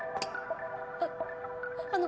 あっあの